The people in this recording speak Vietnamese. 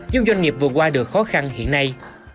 giúp doanh nghiệp vượt qua được khó khăn hiện nay